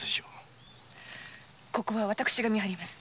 ここは私が見張ります。